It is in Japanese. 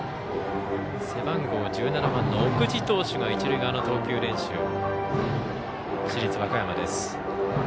背番号１７番の奥地投手が一塁側の投球練習。